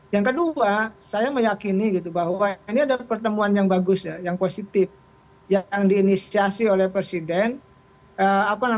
yang kedua saya meyakini gitu bahwa ini ada pertemuan yang bagus ya yang positif yang diinisiasi oleh presiden